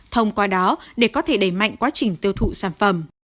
thông qua đó để có thể đẩy mạnh quá trình tiêu thụ sản phẩm